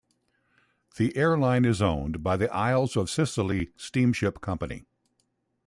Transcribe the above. The airline is owned by the Isles of Scilly Steamship Company.